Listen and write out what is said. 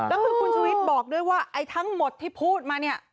แล้วคือคุณชุวิตบอกด้วยว่าไอ้ทั้งหมดที่พูดมาเนี่ย